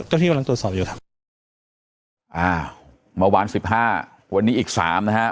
ที่กำลังตรวจสอบอยู่ครับอ่าเมื่อวานสิบห้าวันนี้อีกสามนะฮะ